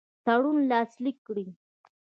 تړون لاسلیک کړي.